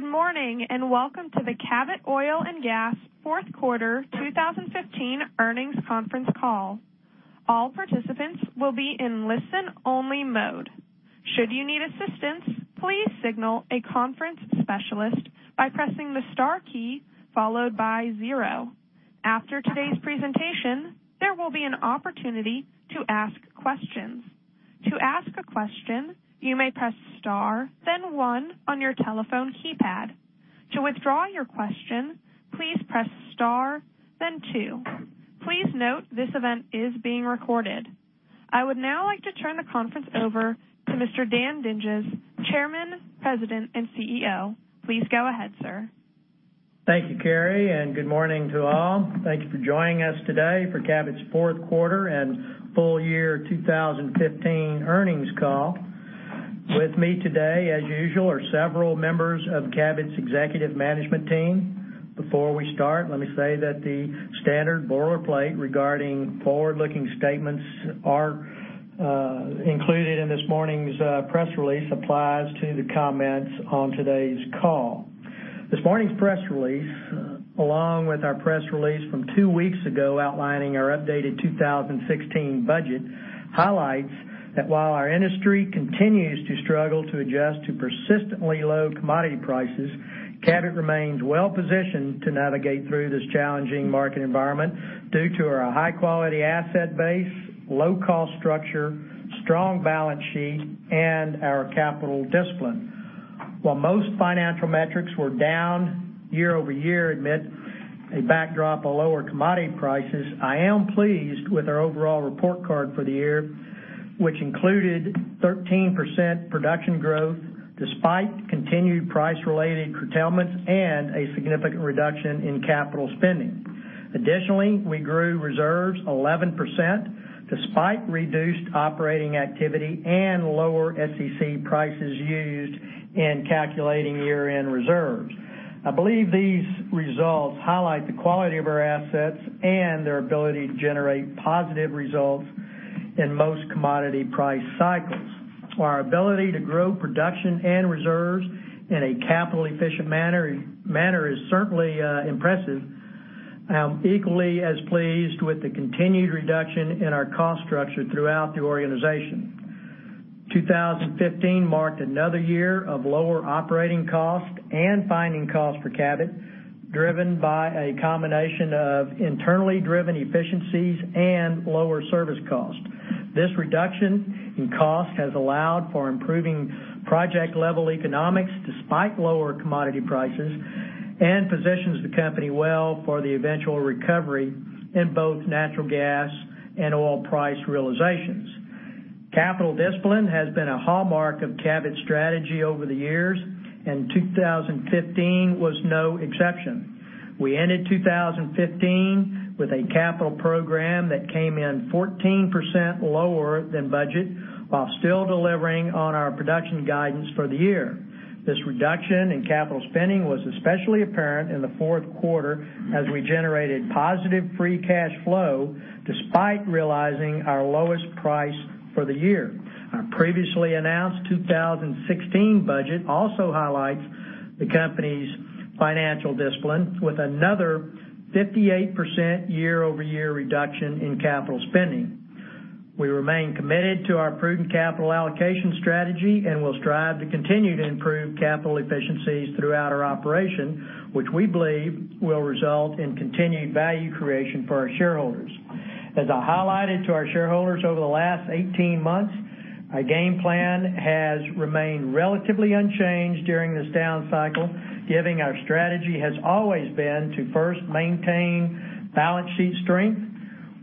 Good morning, and welcome to the Cabot Oil & Gas fourth quarter 2015 earnings conference call. All participants will be in listen-only mode. Should you need assistance, please signal a conference specialist by pressing the star key followed by 0. After today's presentation, there will be an opportunity to ask questions. To ask a question, you may press star then one on your telephone keypad. To withdraw your question, please press star then two. Please note this event is being recorded. I would now like to turn the conference over to Mr. Dan Dinges, Chairman, President, and CEO. Please go ahead, sir. Thank you, Carrie, good morning to all. Thank you for joining us today for Cabot's fourth quarter and full year 2015 earnings call. With me today, as usual, are several members of Cabot's executive management team. Before we start, let me say that the standard boilerplate regarding forward-looking statements are included in this morning's press release applies to the comments on today's call. This morning's press release, along with our press release from two weeks ago outlining our updated 2016 budget, highlights that while our industry continues to struggle to adjust to persistently low commodity prices, Cabot remains well-positioned to navigate through this challenging market environment due to our high-quality asset base, low cost structure, strong balance sheet, and our capital discipline. While most financial metrics were down year-over-year amid a backdrop of lower commodity prices, I am pleased with our overall report card for the year, which included 13% production growth despite continued price-related curtailments and a significant reduction in capital spending. Additionally, we grew reserves 11% despite reduced operating activity and lower SEC prices used in calculating year-end reserves. I believe these results highlight the quality of our assets and their ability to generate positive results in most commodity price cycles. Our ability to grow production and reserves in a capital efficient manner is certainly impressive. I am equally as pleased with the continued reduction in our cost structure throughout the organization. 2015 marked another year of lower operating cost and finding cost for Cabot, driven by a combination of internally driven efficiencies and lower service cost. This reduction in cost has allowed for improving project level economics despite lower commodity prices and positions the company well for the eventual recovery in both natural gas and oil price realizations. Capital discipline has been a hallmark of Cabot's strategy over the years, 2015 was no exception. We ended 2015 with a capital program that came in 14% lower than budget while still delivering on our production guidance for the year. This reduction in capital spending was especially apparent in the fourth quarter as we generated positive free cash flow despite realizing our lowest price for the year. Our previously announced 2016 budget also highlights the company's financial discipline with another 58% year-over-year reduction in capital spending. We remain committed to our prudent capital allocation strategy and will strive to continue to improve capital efficiencies throughout our operation, which we believe will result in continued value creation for our shareholders. As I highlighted to our shareholders over the last 18 months, our game plan has remained relatively unchanged during this down cycle, given our strategy has always been to first, maintain balance sheet strength.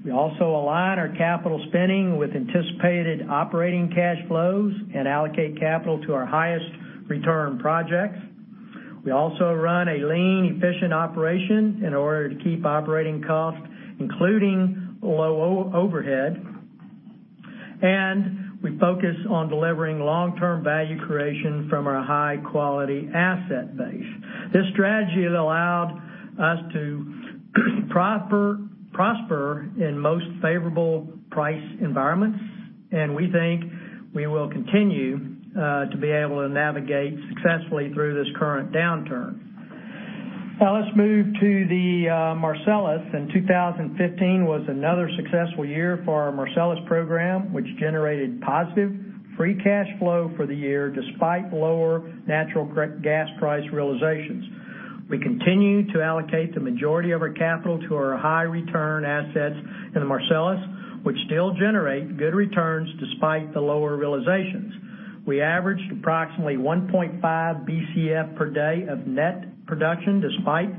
We also align our capital spending with anticipated operating cash flows and allocate capital to our highest return projects. We also run a lean, efficient operation in order to keep operating costs, including low overhead, and we focus on delivering long-term value creation from our high-quality asset base. This strategy has allowed us to prosper in most favorable price environments. We think we will continue to be able to navigate successfully through this current downturn. Now let's move to the Marcellus. 2015 was another successful year for our Marcellus program, which generated positive free cash flow for the year despite lower natural gas price realizations. We continue to allocate the majority of our capital to our high return assets in the Marcellus, which still generate good returns despite the lower realizations. We averaged approximately 1.5 Bcf per day of net production despite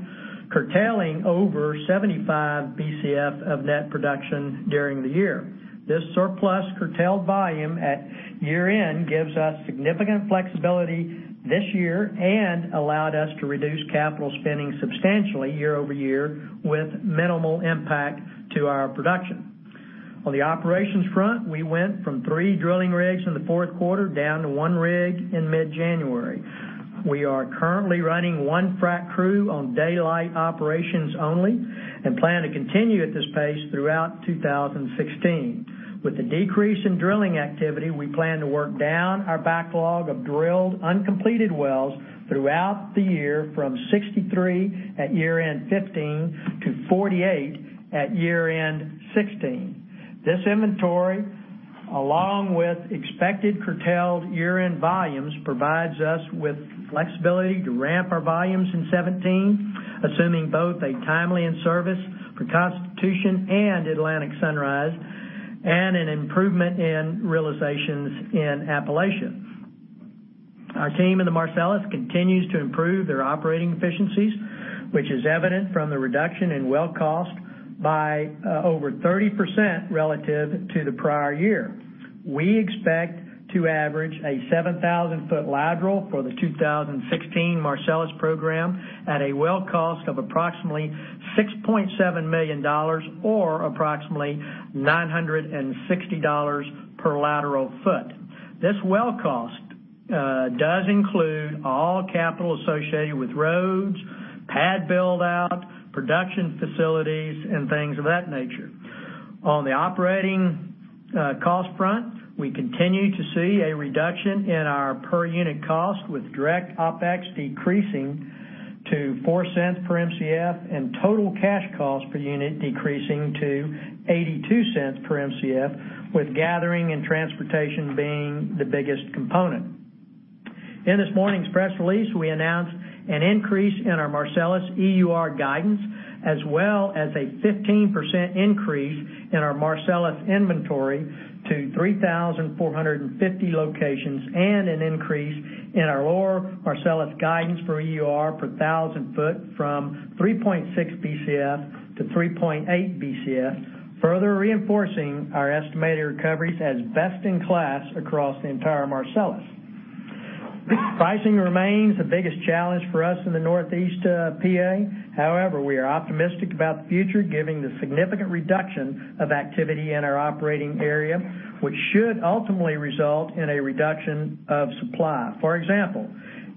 curtailing over 75 Bcf of net production during the year. This surplus curtailed volume at year-end gives us significant flexibility this year and allowed us to reduce capital spending substantially year-over-year with minimal impact to our production. On the operations front, we went from three drilling rigs in the fourth quarter down to one rig in mid-January. We are currently running one frac crew on daylight operations only and plan to continue at this pace throughout 2016. With the decrease in drilling activity, we plan to work down our backlog of drilled uncompleted wells throughout the year from 63 at year-end 2015 to 48 at year-end 2016. This inventory, along with expected curtailed year-end volumes, provides us with flexibility to ramp our volumes in 2017, assuming both a timely in-service for Constitution and Atlantic Sunrise and an improvement in realizations in Appalachia. Our team in the Marcellus continues to improve their operating efficiencies, which is evident from the reduction in well cost by over 30% relative to the prior year. We expect to average a 7,000-foot lateral for the 2016 Marcellus program at a well cost of approximately $6.7 million or approximately $960 per lateral foot. This well cost does include all capital associated with roads, pad build-out, production facilities, and things of that nature. On the operating cost front, we continue to see a reduction in our per-unit cost, with direct OpEx decreasing to $0.04 per Mcf and total cash cost per unit decreasing to $0.82 per Mcf, with gathering and transportation being the biggest component. In this morning's press release, we announced an increase in our Marcellus EUR guidance, as well as a 15% increase in our Marcellus inventory to 3,450 locations and an increase in our lower Marcellus guidance for EUR per 1,000 foot from 3.6 Bcf to 3.8 Bcf, further reinforcing our estimated recoveries as best in class across the entire Marcellus. Pricing remains the biggest challenge for us in the Northeast P.A. However, we are optimistic about the future given the significant reduction of activity in our operating area, which should ultimately result in a reduction of supply. For example,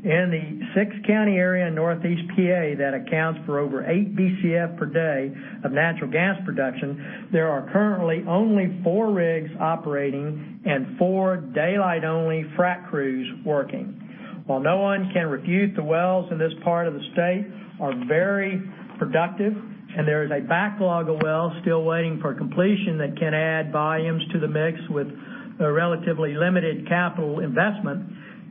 in the six-county area in Northeast P.A. that accounts for over eight Bcf per day of natural gas production, there are currently only four rigs operating and four daylight-only frac crews working. While no one can refute the wells in this part of the state are very productive and there is a backlog of wells still waiting for completion that can add volumes to the mix with a relatively limited capital investment,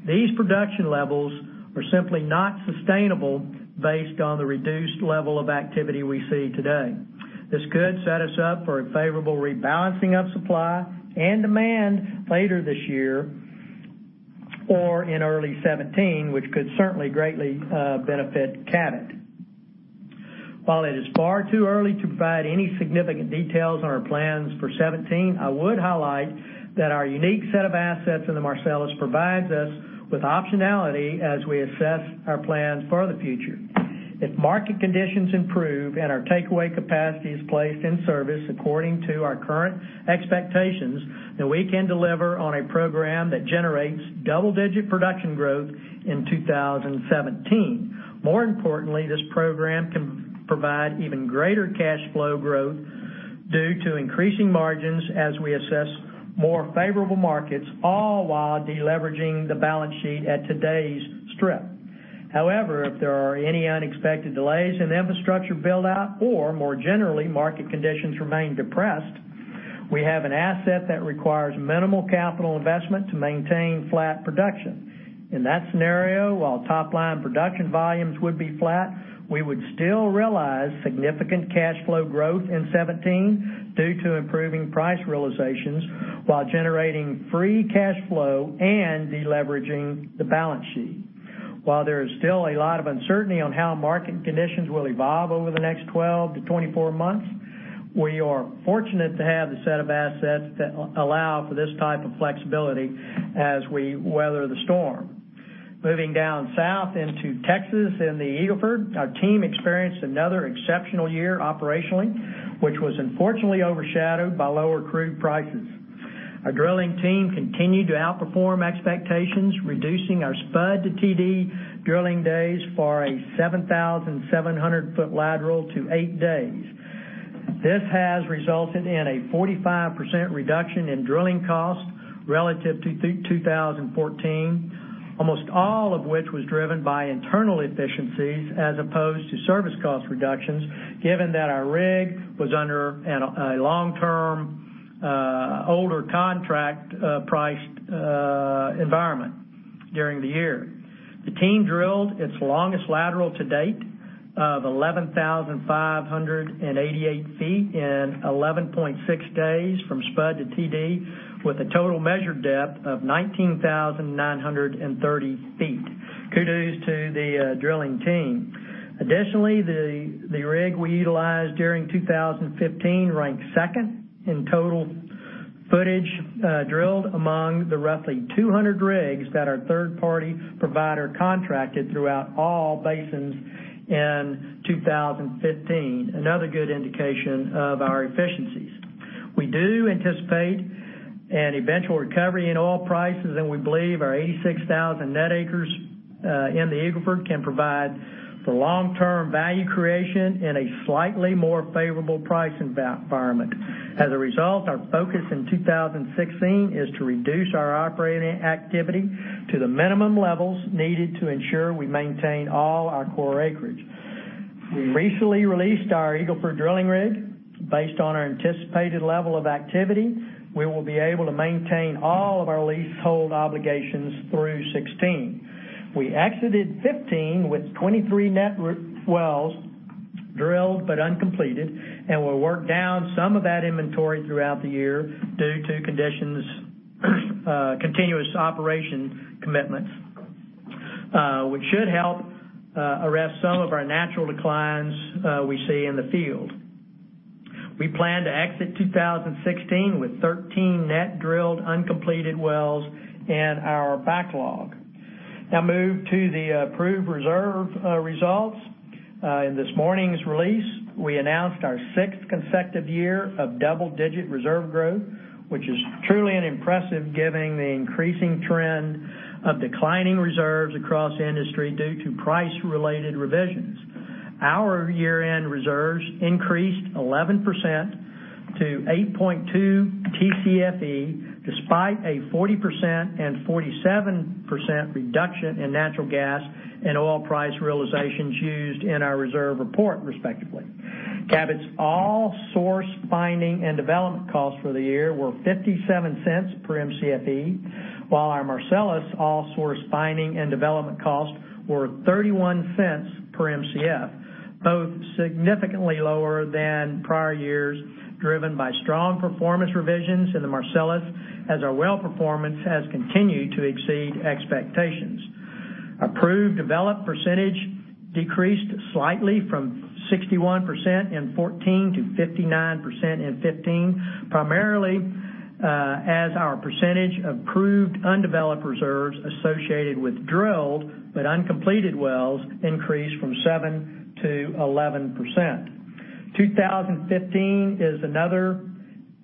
these production levels are simply not sustainable based on the reduced level of activity we see today. This could set us up for a favorable rebalancing of supply and demand later this year or in early 2017, which could certainly greatly benefit Cabot. While it is far too early to provide any significant details on our plans for 2017, I would highlight that our unique set of assets in the Marcellus provides us with optionality as we assess our plans for the future. If market conditions improve and our takeaway capacity is placed in service according to our current expectations, we can deliver on a program that generates double-digit production growth in 2017. More importantly, this program can provide even greater cash flow growth due to increasing margins as we assess more favorable markets, all while de-leveraging the balance sheet at today's strip. If there are any unexpected delays in infrastructure build-out or more generally, market conditions remain depressed, we have an asset that requires minimal capital investment to maintain flat production. In that scenario, while top-line production volumes would be flat, we would still realize significant cash flow growth in 2017 due to improving price realizations while generating free cash flow and de-leveraging the balance sheet. While there is still a lot of uncertainty on how market conditions will evolve over the next 12 to 24 months, we are fortunate to have the set of assets that allow for this type of flexibility as we weather the storm. Moving down south into Texas in the Eagle Ford, our team experienced another exceptional year operationally, which was unfortunately overshadowed by lower crude prices. Our drilling team continued to outperform expectations, reducing our spud to TD drilling days for a 7,700-foot lateral to eight days. This has resulted in a 45% reduction in drilling costs relative to 2014, almost all of which was driven by internal efficiencies as opposed to service cost reductions, given that our rig was under a long-term, older contract priced environment during the year. The team drilled its longest lateral to date of 11,588 feet in 11.6 days from spud to TD with a total measured depth of 19,930 feet. Kudos to the drilling team. Additionally, the rig we utilized during 2015 ranked second in total Footage drilled among the roughly 200 rigs that our third-party provider contracted throughout all basins in 2015. Another good indication of our efficiencies. We do anticipate an eventual recovery in oil prices, and we believe our 86,000 net acres in the Eagle Ford can provide for long-term value creation in a slightly more favorable price environment. As a result, our focus in 2016 is to reduce our operating activity to the minimum levels needed to ensure we maintain all our core acreage. We recently released our Eagle Ford drilling rig. Based on our anticipated level of activity, we will be able to maintain all of our leasehold obligations through 2016. We exited 2015 with 23 net wells drilled but uncompleted, and we'll work down some of that inventory throughout the year due to conditions, continuous operation commitments, which should help arrest some of our natural declines we see in the field. We plan to exit 2016 with 13 net drilled, uncompleted wells in our backlog. Now move to the proved reserve results. In this morning's release, we announced our sixth consecutive year of double-digit reserve growth, which is truly impressive given the increasing trend of declining reserves across industry due to price-related revisions. Our year-end reserves increased 11% to 8.2 TCFE, despite a 40% and 47% reduction in natural gas and oil price realizations used in our reserve report, respectively. Cabot's all-source finding and development costs for the year were $0.57 per MCFE, while our Marcellus all-source finding and development costs were $0.31 per MCF, both significantly lower than prior years, driven by strong performance revisions in the Marcellus as our well performance has continued to exceed expectations. Proved developed percentage decreased slightly from 61% in 2014 to 59% in 2015, primarily as our percentage of proved undeveloped reserves associated with drilled but uncompleted wells increased from 7% to 11%. 2015 is another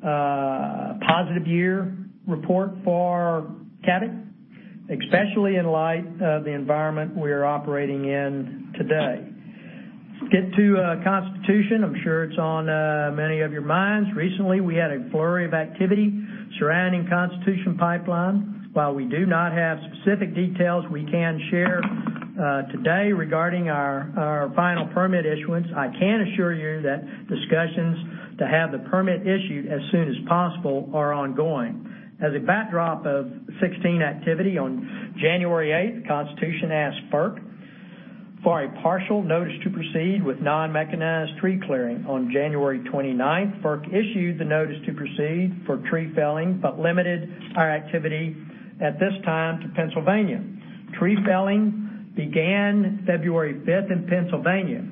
positive year report for Cabot, especially in light of the environment we are operating in today. Let's get to Constitution. I'm sure it's on many of your minds. Recently, we had a flurry of activity surrounding Constitution Pipeline. While we do not have specific details we can share today regarding our final permit issuance, I can assure you that discussions to have the permit issued as soon as possible are ongoing. As a backdrop of 2016 activity on January 8th, Constitution asked FERC for a partial notice to proceed with non-mechanized tree clearing. On January 29th, FERC issued the notice to proceed for tree felling, but limited our activity at this time to Pennsylvania. Tree felling began February 5th in Pennsylvania.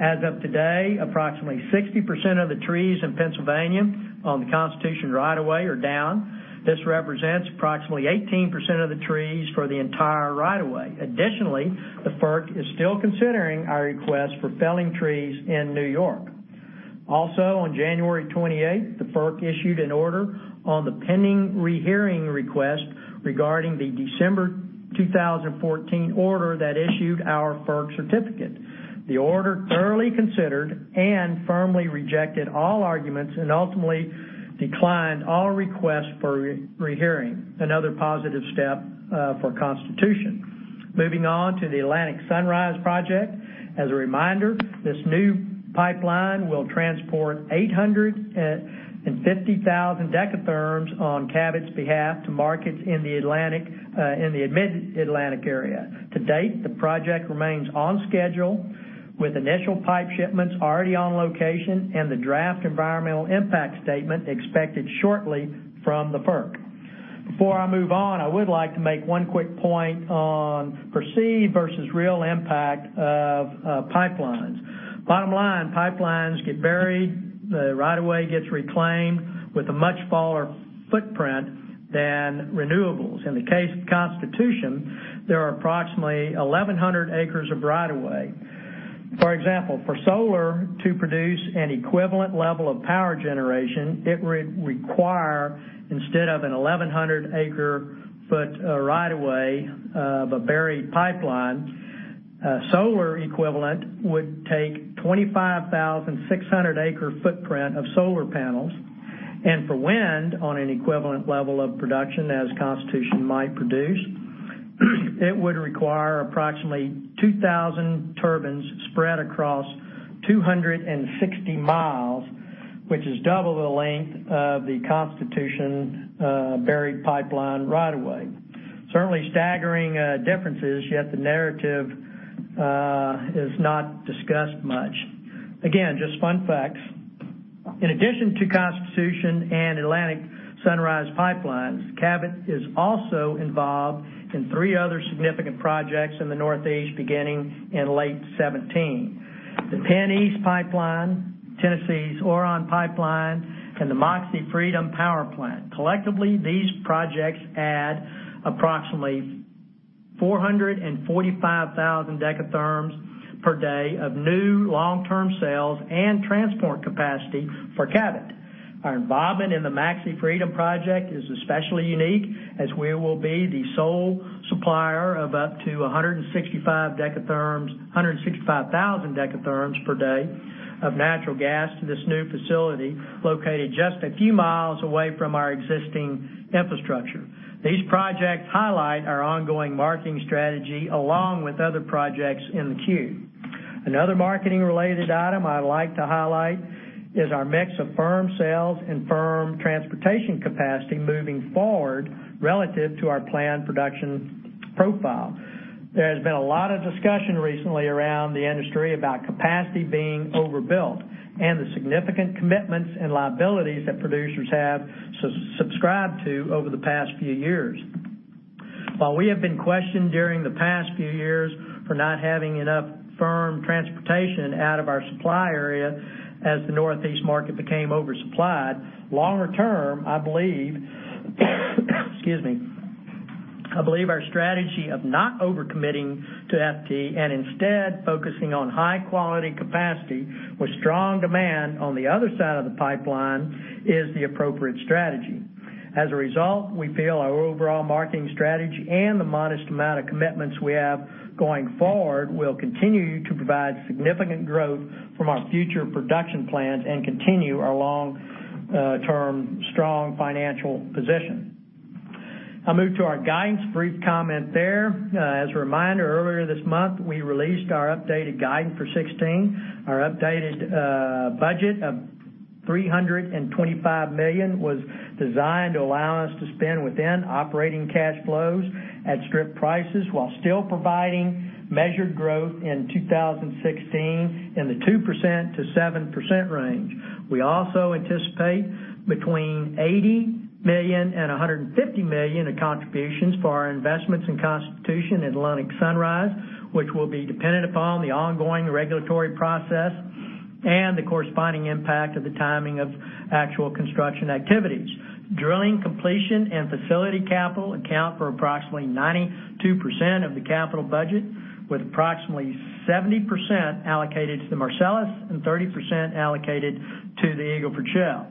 As of today, approximately 60% of the trees in Pennsylvania on the Constitution right of way are down. This represents approximately 18% of the trees for the entire right of way. Additionally, the FERC is still considering our request for felling trees in New York. On January 28th, the FERC issued an order on the pending rehearing request regarding the December 2014 order that issued our FERC certificate. The order thoroughly considered and firmly rejected all arguments and ultimately declined all requests for rehearing. Another positive step for Constitution. Moving on to the Atlantic Sunrise project. As a reminder, this new pipeline will transport 850,000 dekatherms on Cabot's behalf to markets in the mid-Atlantic area. To date, the project remains on schedule with initial pipe shipments already on location and the draft environmental impact statement expected shortly from the FERC. Before I move on, I would like to make one quick point on perceived versus real impact of pipelines. Bottom line, pipelines get buried, the right of way gets reclaimed with a much smaller footprint than renewables. In the case of Constitution, there are approximately 1,100 acres of right of way. For example, for solar to produce an equivalent level of power generation, it would require, instead of an 1,100 acre-foot right of way of a buried pipeline, solar equivalent would take 25,600 acre footprint of solar panels. For wind on an equivalent level of production as Constitution might produce, it would require approximately 2,000 turbines spread across 260 miles, which is double the length of the Constitution buried pipeline right of way. Certainly staggering differences, yet the narrative is not discussed much. Again, just fun facts. In addition to Constitution and Atlantic Sunrise Pipelines, Cabot is also involved in three other significant projects in the Northeast beginning in late 2017. The PennEast Pipeline, Tennessee's Orion Project, and the Moxie Freedom Generation Plant. Collectively, these projects add approximately 445,000 dekatherms per day of new long-term sales and transport capacity for Cabot. Our involvement in the Moxie Freedom project is especially unique as we will be the sole supplier of up to 165,000 dekatherms per day of natural gas to this new facility, located just a few miles away from our existing infrastructure. These projects highlight our ongoing marketing strategy along with other projects in the queue. Another marketing-related item I'd like to highlight is our mix of firm sales and firm transportation capacity moving forward relative to our planned production profile. There has been a lot of discussion recently around the industry about capacity being overbuilt and the significant commitments and liabilities that producers have subscribed to over the past few years. While we have been questioned during the past few years for not having enough firm transportation out of our supply area as the Northeast market became oversupplied, longer term, I believe our strategy of not over-committing to FT and instead focusing on high-quality capacity with strong demand on the other side of the pipeline is the appropriate strategy. As a result, we feel our overall marketing strategy and the modest amount of commitments we have going forward will continue to provide significant growth from our future production plans and continue our long-term strong financial position. I'll move to our guidance. Brief comment there. As a reminder, earlier this month, we released our updated guidance for 2016. Our updated budget of $325 million was designed to allow us to spend within operating cash flows at strip prices while still providing measured growth in 2016 in the 2%-7% range. We also anticipate between $80 million and $150 million of contributions for our investments in Constitution and Atlantic Sunrise, which will be dependent upon the ongoing regulatory process and the corresponding impact of the timing of actual construction activities. Drilling completion and facility capital account for approximately 92% of the capital budget, with approximately 70% allocated to the Marcellus and 30% allocated to the Eagle Ford Shale.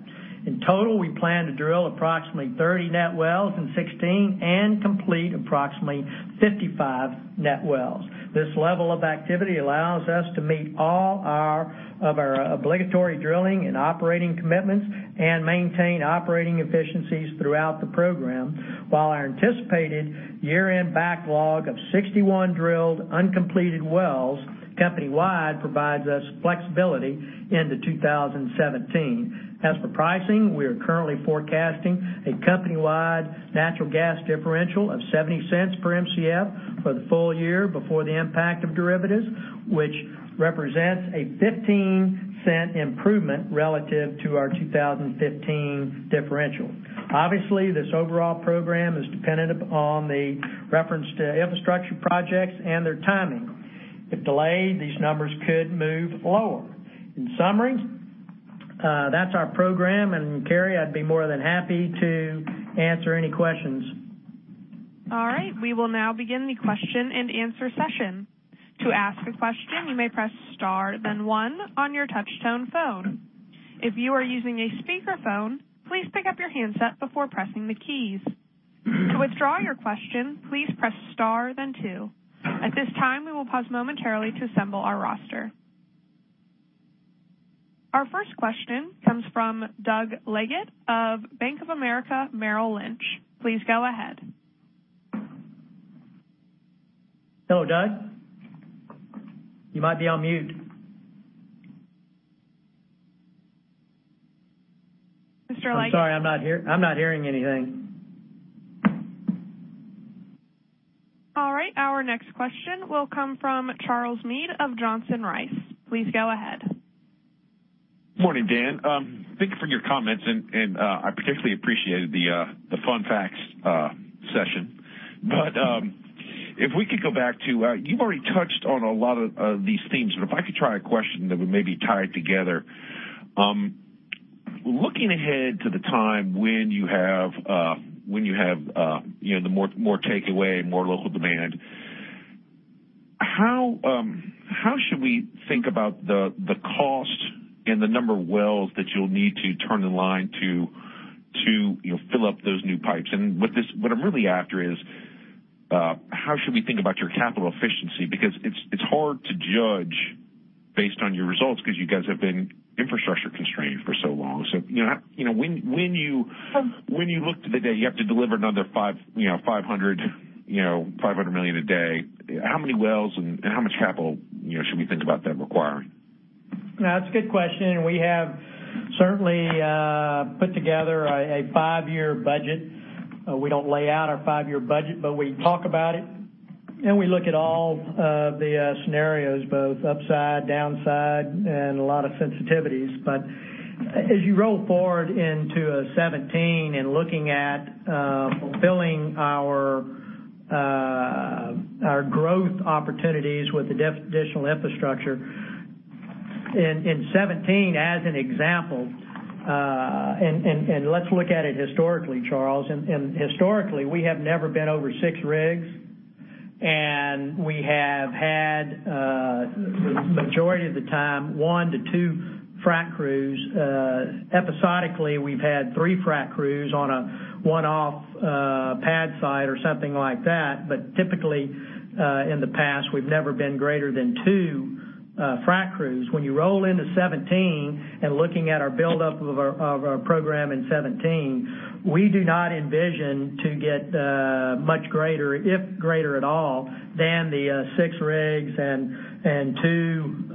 In total, we plan to drill approximately 30 net wells in 2016 and complete approximately 55 net wells. This level of activity allows us to meet all of our obligatory drilling and operating commitments and maintain operating efficiencies throughout the program, while our anticipated year-end backlog of 61 drilled uncompleted wells company-wide provides us flexibility into 2017. As for pricing, we are currently forecasting a company-wide natural gas differential of $0.70 per Mcf for the full year before the impact of derivatives, which represents a $0.15 improvement relative to our 2015 differential. Obviously, this overall program is dependent upon the referenced infrastructure projects and their timing. If delayed, these numbers could move lower. In summary, that's our program. Carrie, I'd be more than happy to answer any questions. All right. We will now begin the question and answer session. To ask a question, you may press star 1 on your touch tone phone. If you are using a speakerphone, please pick up your handset before pressing the keys. To withdraw your question, please press star 2. At this time, we will pause momentarily to assemble our roster. Our first question comes from Doug Leggate of Bank of America Merrill Lynch. Please go ahead. Hello, Doug. You might be on mute. Mr. Leggate? I'm sorry, I'm not hearing anything. All right. Our next question will come from Charles Meade of Johnson Rice. Please go ahead. Morning, Dan. Thank you for your comments. I particularly appreciated the fun facts session. You've already touched on a lot of these themes, if I could try a question that would maybe tie it together. Looking ahead to the time when you have the more takeaway, more local demand, how should we think about the cost and the number of wells that you'll need to turn in line to fill up those new pipes? What I'm really after is, how should we think about your capital efficiency? Because it's hard to judge based on your results because you guys have been infrastructure constrained for so long. When you look to the day you have to deliver another 500 million a day, how many wells and how much capital should we think about that requiring? That's a good question. We have certainly put together a five-year budget. We don't lay out our five-year budget, but we talk about it, and we look at all of the scenarios, both upside, downside, and a lot of sensitivities. As you roll forward into 2017 and looking at fulfilling our growth opportunities with the additional infrastructure in 2017, as an example. Let's look at it historically, Charles. Historically, we have never been over six rigs, and we have had, the majority of the time, one to two frac crews. Episodically, we've had three frac crews on a one-off pad site or something like that. Typically, in the past, we've never been greater than two frac crews. When you roll into 2017, looking at our buildup of our program in 2017, we do not envision to get much greater, if greater at all, than the six rigs and two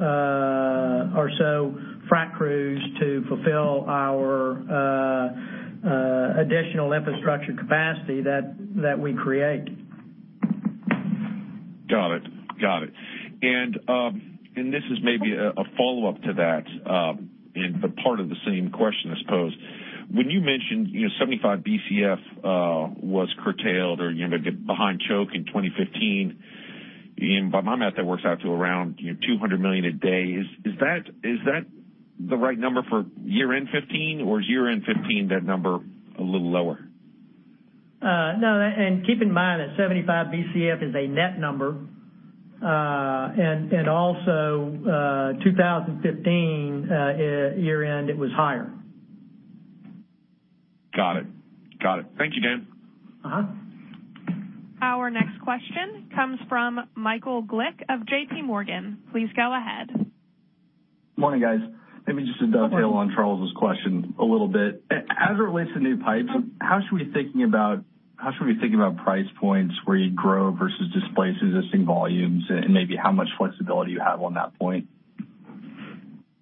or so frac crews to fulfill our additional infrastructure capacity that we create. Got it. This is maybe a follow-up to that, part of the same question, I suppose. When you mentioned, 75 Bcf was curtailed or behind choke in 2015, by my math, that works out to around $200 million a day. Is that the right number for year-end 2015, or is year-end 2015 that number a little lower? No, keep in mind that 75 Bcf is a net number. Also, 2015, year-end, it was higher. Got it. Thank you, Dan. Our next question comes from Michael Glick of JPMorgan. Please go ahead. Morning, guys. Maybe just a dovetail on Charles' question a little bit. As it relates to new pipes, how should we think about price points where you grow versus displace existing volumes, and maybe how much flexibility you have on that point?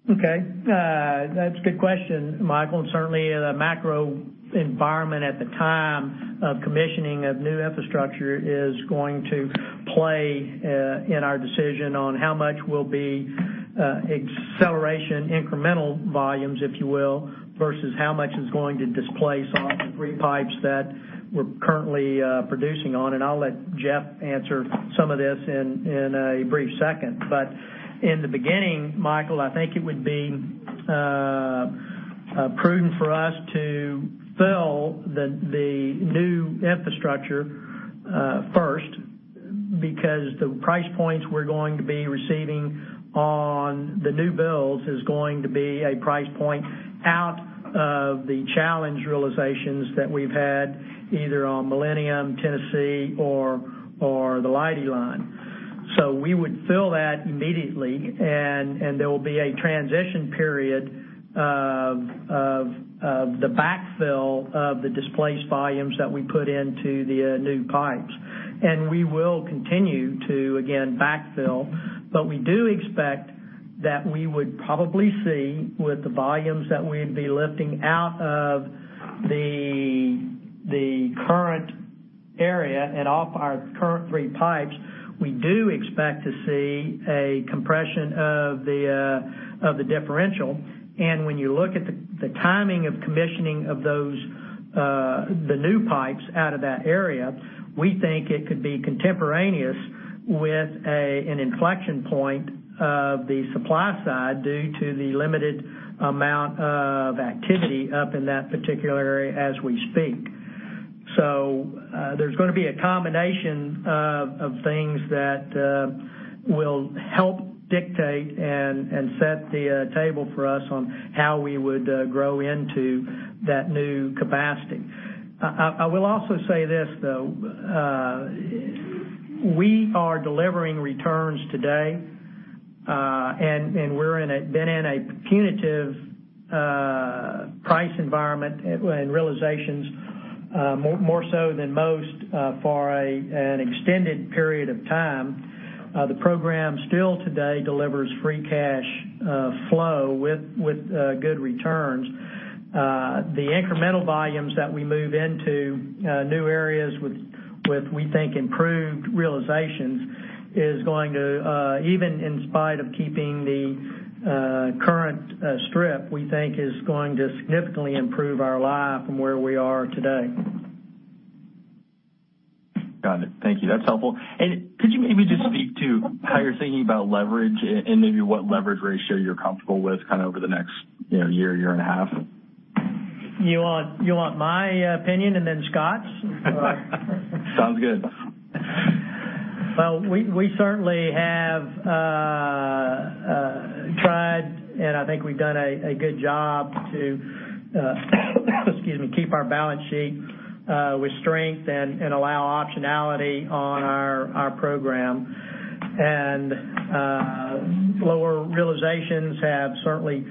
Okay. That's a good question, Michael. Certainly the macro environment at the time of commissioning of new infrastructure is going to play in our decision on how much will be acceleration incremental volumes, if you will, versus how much is going to displace off the three pipes that we're currently producing on. I'll let Jeff answer some of this in a brief second. In the beginning, Michael, I think it would be prudent for us to fill the new infrastructure first because the price points we're going to be receiving on the new builds is going to be a price point out of the challenge realizations that we've had either on Millennium, Tennessee, or the Leidy Line. We would fill that immediately, and there will be a transition period of the backfill of the displaced volumes that we put into the new pipes. We will continue to, again, backfill. We do expect that we would probably see with the volumes that we'd be lifting out of the current area and off our current three pipes, we do expect to see a compression of the differential. When you look at the timing of commissioning of the new pipes out of that area, we think it could be contemporaneous with an inflection point of the supply side due to the limited amount of activity up in that particular area as we speak. There's going to be a combination of things that will help dictate and set the table for us on how we would grow into that new capacity. I will also say this, though. We are delivering returns today, and we've been in a punitive price environment and realizations more so than most for an extended period of time. The program still today delivers free cash flow with good returns. The incremental volumes that we move into new areas with, we think, improved realizations is going to even in spite of keeping the current strip, we think is going to significantly improve our life from where we are today. Got it. Thank you. That's helpful. Could you maybe just speak to how you're thinking about leverage and maybe what leverage ratio you're comfortable with over the next year and a half? You want my opinion and then Scott's? Sounds good. We certainly have tried, I think we've done a good job to excuse me, keep our balance sheet with strength and allow optionality on our program. Lower realizations have certainly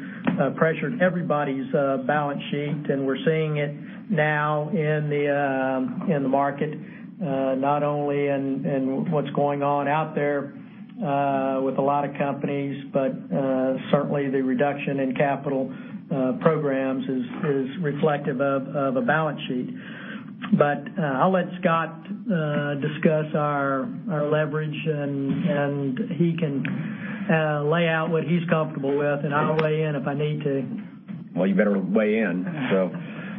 pressured everybody's balance sheet, and we're seeing it now in the market. Not only in what's going on out there with a lot of companies, but certainly the reduction in capital programs is reflective of a balance sheet. I'll let Scott discuss our leverage, and he can lay out what he's comfortable with, and I'll weigh in if I need to. You better weigh in.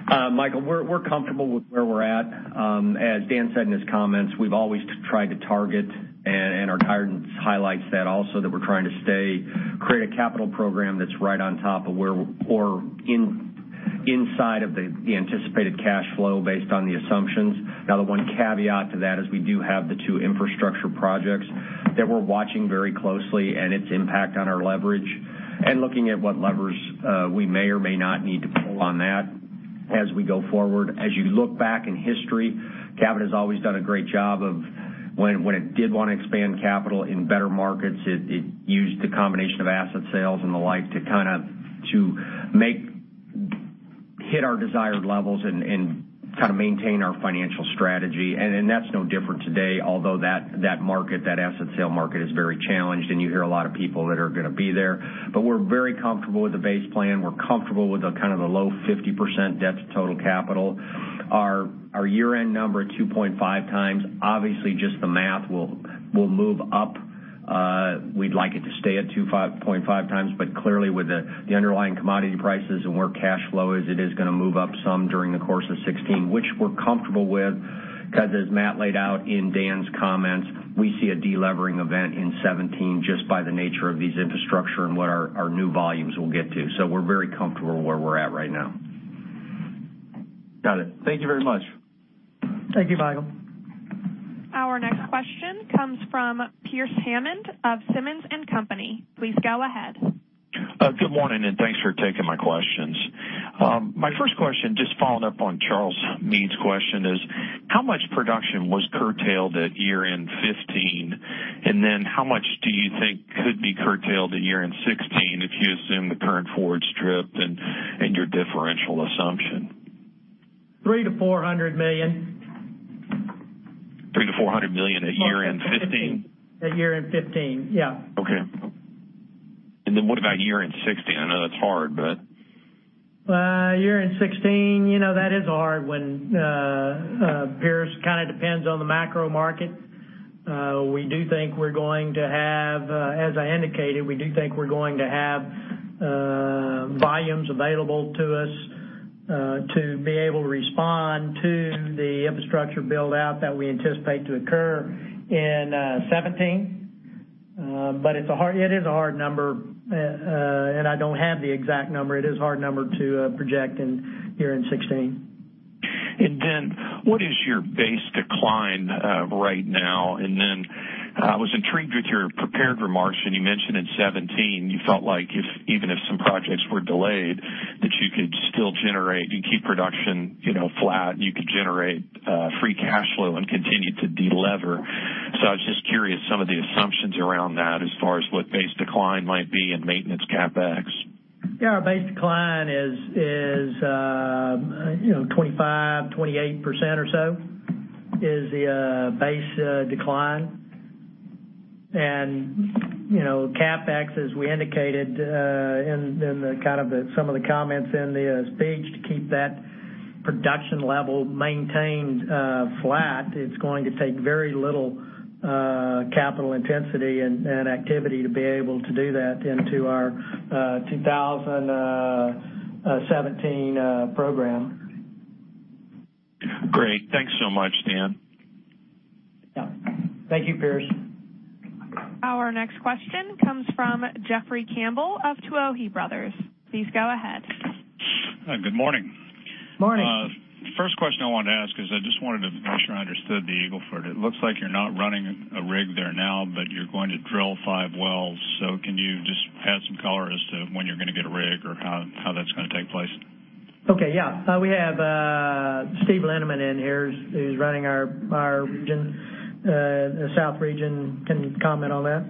Michael, we're comfortable with where we're at. As Dan said in his comments, we've always tried to target, and our guidance highlights that also that we're trying to create a capital program that's right on top of or inside of the anticipated cash flow based on the assumptions. The one caveat to that is we do have the two infrastructure projects that we're watching very closely and its impact on our leverage and looking at what levers we may or may not need to pull on that as we go forward. As you look back in history, Cabot has always done a great job of when it did want to expand capital in better markets, it used the combination of asset sales and the like to hit our desired levels and maintain our financial strategy. That's no different today, although that asset sale market is very challenged, and you hear a lot of people that are going to be there. We're very comfortable with the base plan. We're comfortable with the low 50% debt to total capital. Our year-end number at 2.5 times, obviously just the math will move up. We'd like it to stay at 2.5 times, but clearly with the underlying commodity prices and where cash flow is, it is going to move up some during the course of 2016, which we're comfortable with, because as Matt laid out in Dan's comments, we see a de-levering event in 2017 just by the nature of these infrastructure and what our new volumes will get to. We're very comfortable where we're at right now. Got it. Thank you very much. Thank you, Michael. Our next question comes from Pearce Hammond of Simmons & Company. Please go ahead. Good morning. Thanks for taking my questions. My first question, just following up on Charles Meade's question, is how much production was curtailed at year-end 2015? Then how much do you think could be curtailed at year-end 2016 if you assume the current forward strip and your differential assumption? three million-400 million. $300 million-$400 million at year-end 2015? At year-end 2015, yeah. Okay. Then what about year-end 2016? I know that's hard, but. Year-end 2016, that is a hard one, Pearce. It depends on the macro market. As I indicated, we do think we're going to have volumes available to us to be able to respond to the infrastructure build-out that we anticipate to occur in 2017. It is a hard number, and I don't have the exact number. It is a hard number to project in year-end 2016. Dan, what is your base decline right now? I was intrigued with your prepared remarks when you mentioned in 2017, you felt like even if some projects were delayed, that you could still generate and keep production flat, and you could generate free cash flow and continue to de-lever. I was just curious, some of the assumptions around that as far as what base decline might be in maintenance CapEx. Our base decline is 25%, 28% or so is the base decline. CapEx, as we indicated in some of the comments in the speech, to keep that production level maintained flat, it's going to take very little capital intensity and activity to be able to do that into our 2017 program. Great. Thanks so much, Dan. Thank you, Pearce. Our next question comes from Jeffrey Campbell of Tuohy Brothers. Please go ahead. Good morning. Morning. First question I wanted to ask is I just wanted to make sure I understood the Eagle Ford. It looks like you're not running a rig there now, but you're going to drill five wells. Can you just add some color as to when you're going to get a rig or how that's going to take place? Okay, yeah. We have Steven Linneman in here who's running our region, the South Region. Can you comment on that?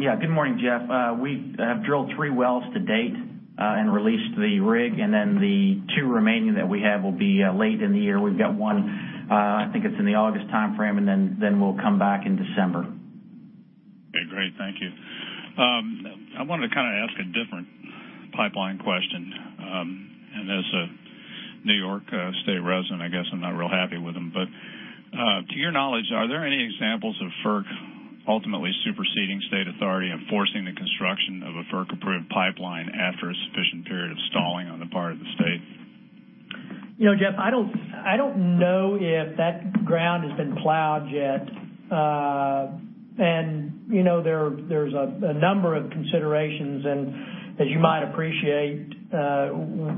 Yeah. Good morning, Jeff. We have drilled three wells to date and released the rig, and then the two remaining that we have will be late in the year. We've got one I think it's in the August timeframe, and then we'll come back in December. Okay, great. Thank you. I wanted to ask a different pipeline question. As a New York state resident, I guess I'm not real happy with them. To your knowledge, are there any examples of FERC ultimately superseding state authority and forcing the construction of a FERC-approved pipeline after a sufficient period of stalling on the part of the state? Jeff, I don't know if that ground has been plowed yet. There's a number of considerations, and as you might appreciate,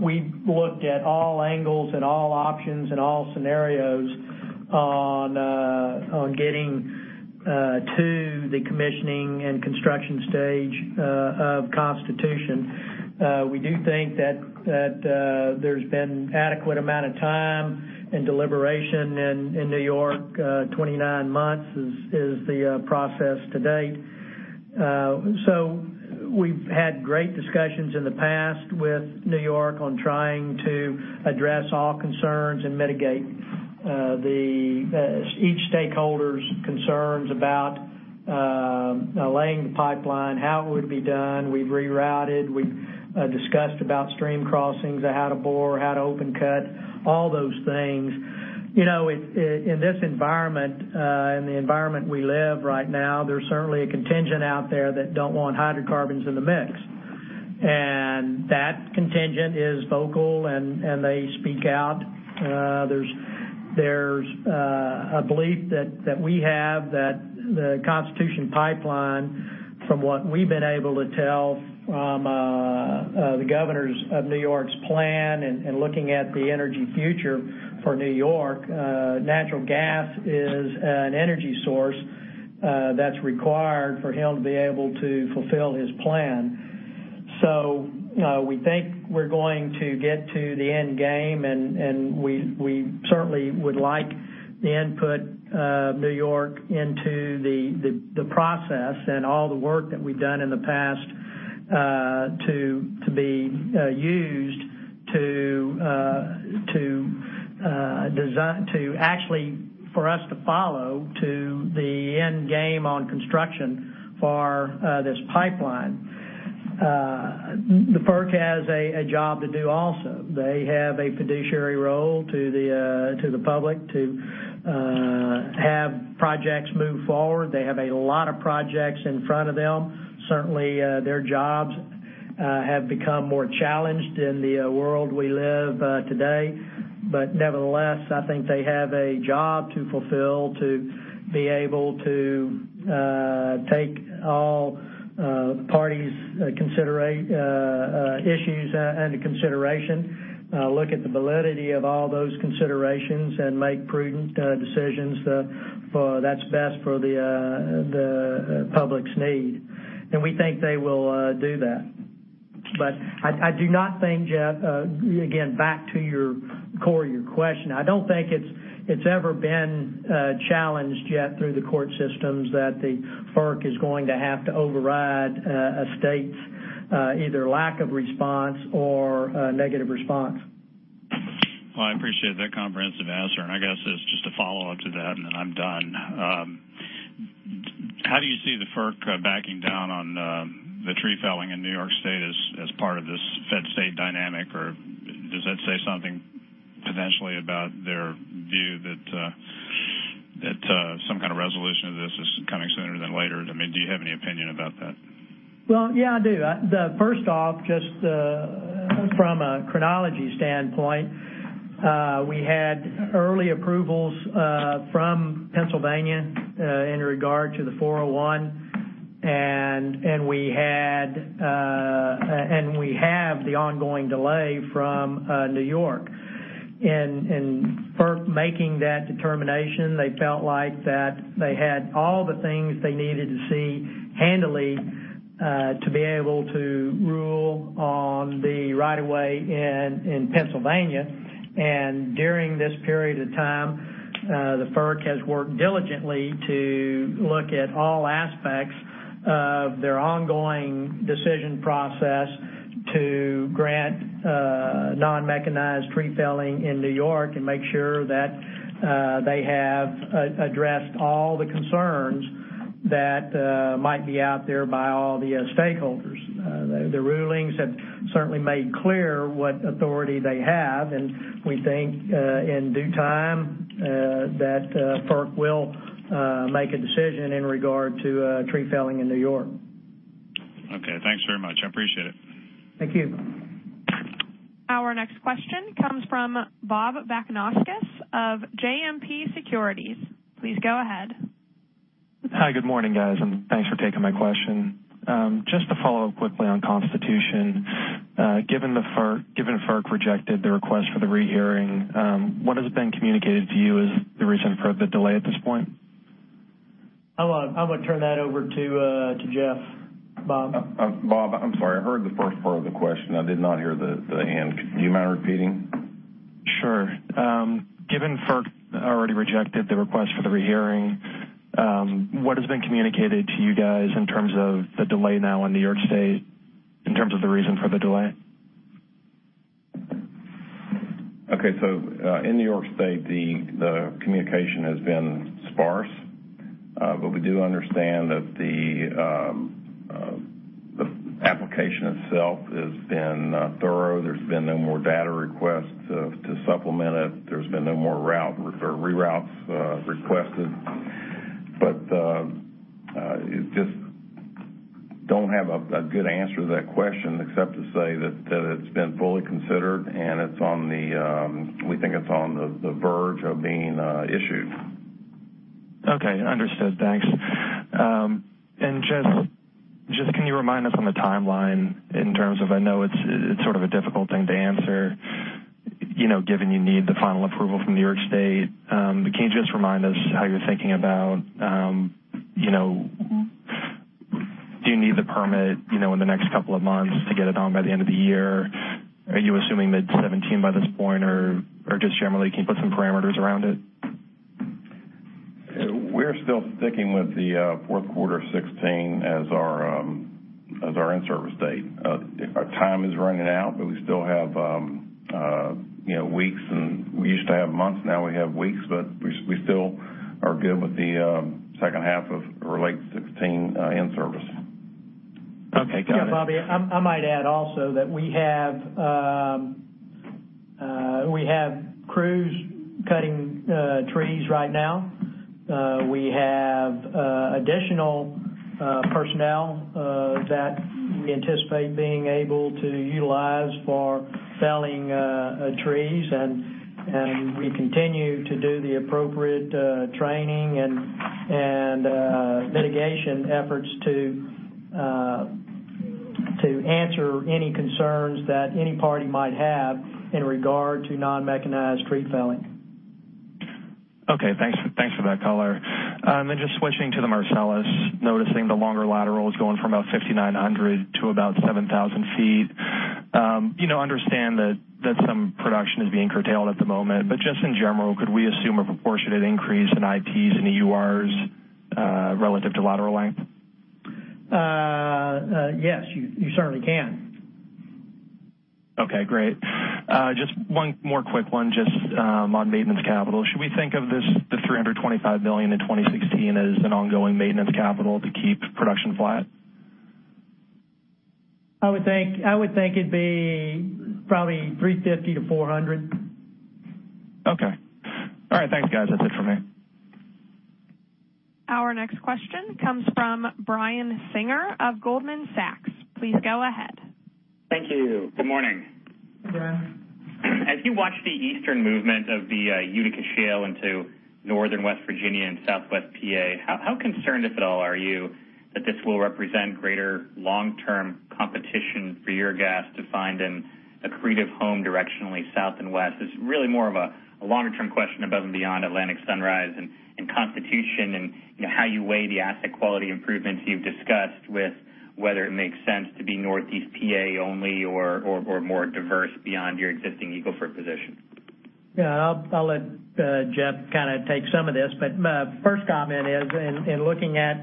we've looked at all angles and all options and all scenarios on getting to the commissioning and construction stage of Constitution. We do think that there's been adequate amount of time and deliberation in New York. 29 months is the process to date. We've had great discussions in the past with New York on trying to address all concerns and mitigate each stakeholder's concerns about laying the pipeline, how it would be done. We've rerouted, we've discussed about stream crossings, how to bore, how to open cut, all those things. In this environment, in the environment we live right now, there's certainly a contingent out there that don't want hydrocarbons in the mix. That contingent is vocal and they speak out. There's a belief that we have that the Constitution Pipeline, from what we've been able to tell from the governor of New York's plan and looking at the energy future for New York, natural gas is an energy source that's required for him to be able to fulfill his plan. We think we're going to get to the end game, and we certainly would like the input New York into the process and all the work that we've done in the past to be used to actually, for us to follow to the end game on construction for this pipeline. The FERC has a job to do also. They have a fiduciary role to the public to have projects move forward. They have a lot of projects in front of them. Certainly, their jobs have become more challenged in the world we live today. Nevertheless, I think they have a job to fulfill to be able to take all parties' issues into consideration, look at the validity of all those considerations, and make prudent decisions that's best for the public's need. We think they will do that. I do not think, Jeff, again, back to the core of your question, I don't think it's ever been challenged yet through the court systems that the FERC is going to have to override a state's either lack of response or a negative response. Well, I appreciate that comprehensive answer, I guess it's just a follow-up to that, and then I'm done. How do you see the FERC backing down on the tree felling in New York State as part of this Fed-state dynamic? Does that say something potentially about their view that some kind of resolution of this is coming sooner than later? Do you have any opinion about that? Well, yeah, I do. First off, just from a chronology standpoint, we had early approvals from Pennsylvania in regard to the 401, we have the ongoing delay from New York. FERC making that determination, they felt like that they had all the things they needed to see handily to be able to rule on the right of way in Pennsylvania. During this period of time, the FERC has worked diligently to look at all aspects of their ongoing decision process to grant non-mechanized tree felling in New York and make sure that they have addressed all the concerns that might be out there by all the stakeholders. The rulings have certainly made clear what authority they have, we think, in due time, that FERC will make a decision in regard to tree felling in New York. Okay. Thanks very much. I appreciate it. Thank you. Our next question comes from [Bob Backnaskis] of JMP Securities. Please go ahead. Hi, good morning, guys, thanks for taking my question. Just to follow up quickly on Constitution. Given FERC rejected the request for the rehearing, what has been communicated to you as the reason for the delay at this point? I'm going to turn that over to Jeff, Bob. Bob, I'm sorry. I heard the first part of the question. I did not hear the end. Do you mind repeating? Sure. Given FERC already rejected the request for the rehearing, what has been communicated to you guys in terms of the delay now in New York State, in terms of the reason for the delay? Okay. In New York State, the communication has been sparse. We do understand that the application itself has been thorough. There's been no more data requests to supplement it. There's been no more reroutes requested. Just don't have a good answer to that question except to say that it's been fully considered, and we think it's on the verge of being issued. Okay, understood. Thanks. Just can you remind us on the timeline in terms of, I know it's sort of a difficult thing to answer, given you need the final approval from New York State, but can you just remind us how you're thinking about do you need the permit in the next couple of months to get it on by the end of the year? Are you assuming mid 2017 by this point or just generally, can you put some parameters around it? We're still sticking with the fourth quarter 2016 as our in-service date. Our time is running out, but we still have weeks, and we used to have months. Now we have weeks, but we still are good with the second half of or late 2016 in-service. Okay, got it. Yeah, Bobby, I might add also that we have cutting trees right now. We have additional personnel that we anticipate being able to utilize for felling trees, and we continue to do the appropriate training and mitigation efforts to answer any concerns that any party might have in regard to non-mechanized tree felling. Okay. Thanks for that color. Just switching to the Marcellus, noticing the longer laterals going from about 5,900 to about 7,000 feet. Understand that some production is being curtailed at the moment, but just in general, could we assume a proportionate increase in IPs and EURs relative to lateral length? Yes, you certainly can. Okay, great. Just one more quick one just on maintenance capital. Should we think of the $325 million in 2016 as an ongoing maintenance capital to keep production flat? I would think it'd be probably $350 million-$400 million. Okay. All right. Thanks, guys. That's it for me. Our next question comes from Brian Singer of Goldman Sachs. Please go ahead. Thank you. Good morning. Good morning. As you watch the eastern movement of the Utica Shale into northern West Virginia and southwest PA, how concerned, if at all, are you that this will represent greater long-term competition for your gas to find an accretive home directionally south and west? It's really more of a longer-term question above and beyond Atlantic Sunrise and Constitution, and how you weigh the asset quality improvements you've discussed with whether it makes sense to be Northeast PA only or more diverse beyond your existing Eagle Ford position. Yeah. I'll let Jeff take some of this. My first comment is in looking at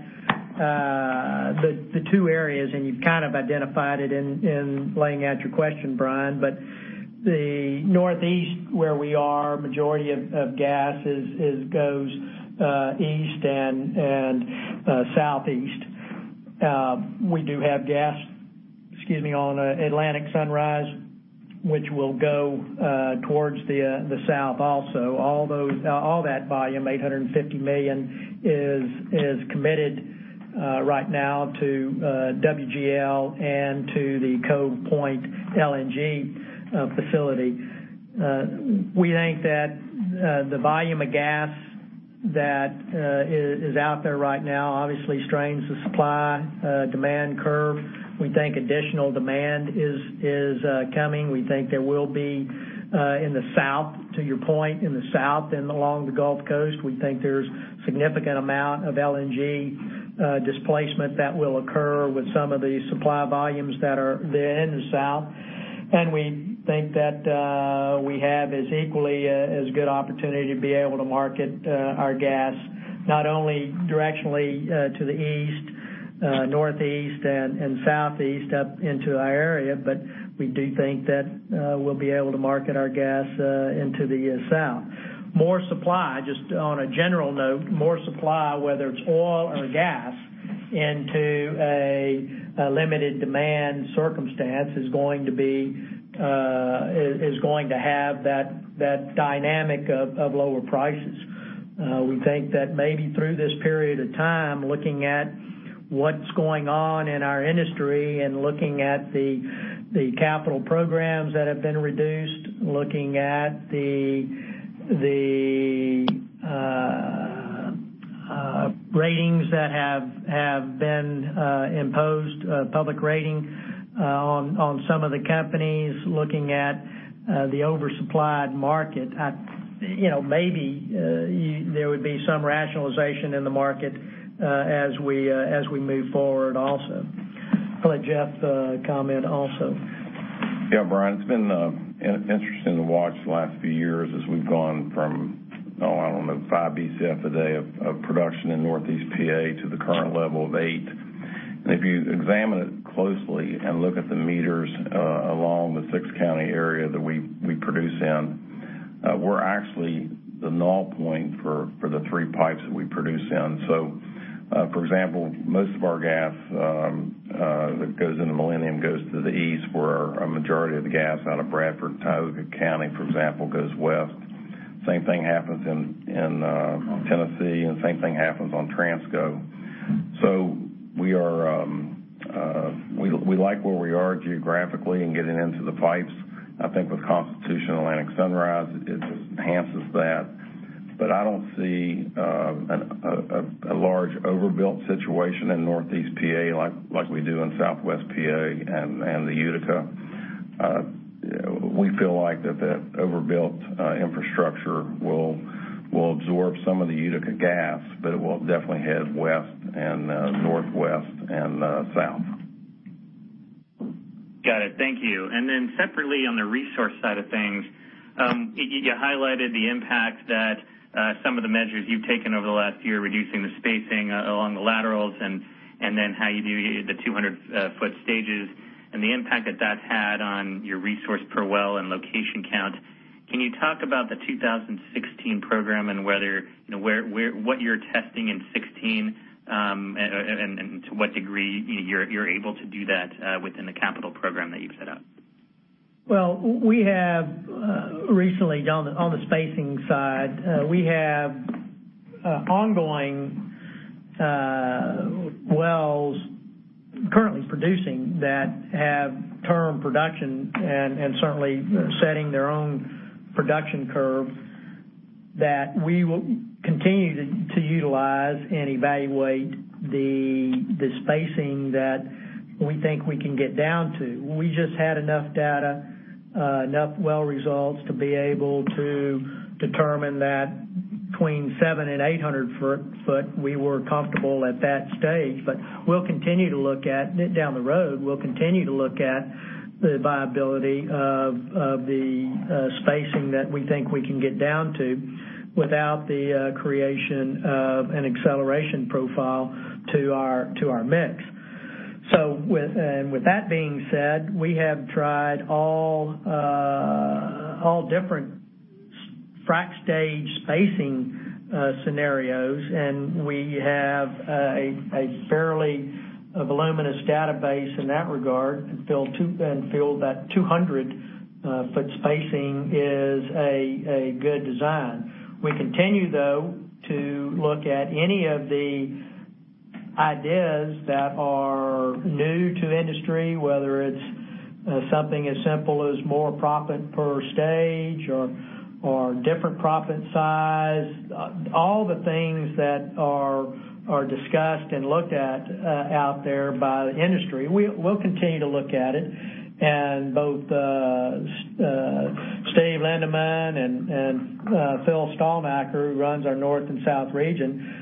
the two areas, and you've kind of identified it in laying out your question, Brian. The Northeast, where we are, majority of gas goes east and southeast. We do have gas on Atlantic Sunrise, which will go towards the south also. All that volume, $850 million, is committed right now to WGL and to the Cove Point LNG facility. We think that the volume of gas that is out there right now obviously strains the supply-demand curve. We think additional demand is coming. We think there will be in the South, to your point, in the South and along the Gulf Coast. We think there's significant amount of LNG displacement that will occur with some of the supply volumes that are there in the South. We think that we have as equally as good opportunity to be able to market our gas, not only directionally to the east, northeast, and southeast up into our area, but we do think that we'll be able to market our gas into the South. More supply, just on a general note, more supply, whether it's oil or gas, into a limited demand circumstance is going to have that dynamic of lower prices. We think that maybe through this period of time, looking at what's going on in our industry and looking at the capital programs that have been reduced, looking at the ratings that have been imposed, public rating on some of the companies, looking at the oversupplied market. Maybe there would be some rationalization in the market as we move forward also. I'll let Jeff comment also. Yeah, Brian, it's been interesting to watch the last few years as we've gone from, oh, I don't know, five Bcf a day of production in Northeast P.A. to the current level of 8. If you examine it closely and look at the meters along the six-county area that we produce in, we're actually the null point for the three pipes that we produce in. For example, most of our gas that goes into Millennium goes to the east, where a majority of the gas out of Bradford and Tioga County, for example, goes west. Same thing happens in Tennessee, and same thing happens on Transco. We like where we are geographically and getting into the pipes. I think with Constitution Atlantic Sunrise, it enhances that. I don't see a large overbuilt situation in Northeast P.A. like we do in Southwest P.A. and the Utica. We feel like that the overbuilt infrastructure will absorb some of the Utica gas, but it will definitely head west and northwest and south. Got it. Thank you. Separately on the resource side of things, you highlighted the impact that some of the measures you've taken over the last year, reducing the spacing along the laterals and then how you do the 200-foot stages, and the impact that that's had on your resource per well and location count. Can you talk about the 2016 program and what you're testing in 2016, and to what degree you're able to do that within the capital program that you've set up? We have recently done, on the spacing side, we have ongoing wells currently producing that have term production and certainly setting their own production curve that we will continue to utilize and evaluate the spacing that we think we can get down to. We just had enough data, enough well results to be able to determine that between 700 and 800 foot, we were comfortable at that stage. Down the road, we'll continue to look at the viability of the spacing that we think we can get down to without the creation of an acceleration profile to our mix. With that being said, we have tried all different frack stage spacing scenarios, and we have a fairly voluminous database in that regard, and feel that 200-foot spacing is a good design. We continue, though, to look at any of the ideas that are new to industry, whether it's something as simple as more proppant per stage or different proppant size. All the things that are discussed and looked at out there by the industry. We'll continue to look at it, and both Steven Linneman and Phillip Stalnaker, who runs our North and South region,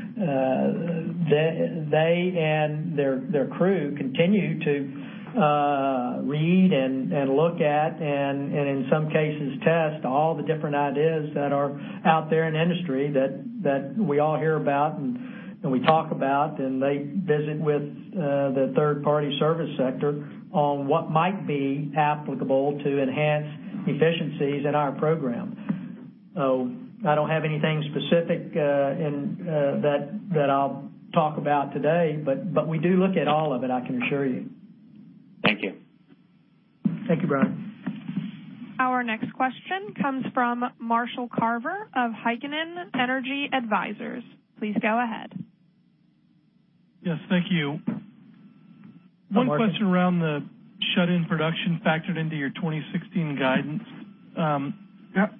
they and their crew continue to read and look at, and in some cases, test all the different ideas that are out there in the industry that we all hear about and we talk about. They visit with the third-party service sector on what might be applicable to enhance efficiencies in our program. I don't have anything specific in that I'll talk about today, but we do look at all of it, I can assure you. Thank you. Thank you, Brian. Our next question comes from Marshall Carver of Heikkinen Energy Advisors. Please go ahead. Yes, thank you. Hi, Marshall. One question around the shut-in production factored into your 2016 guidance. Yep.